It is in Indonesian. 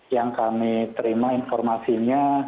yang kami terima informasinya